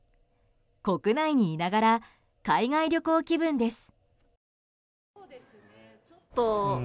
国内にいながら海外旅行気分です。